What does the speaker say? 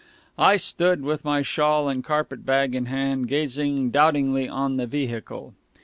I stood with my shawl and carpetbag in hand, gazing doubtingly on the vehicle.